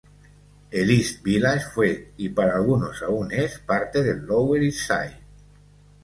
El "East Village" fue, y para algunos aún es, parte del "Lower East Side".